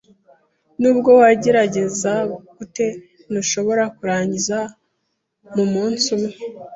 Nubwo wagerageza gute, ntushobora kurangiza mumunsi umwe.